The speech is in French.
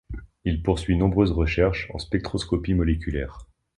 Il poursuit nombreuses recherches en spectroscopie moléculaire.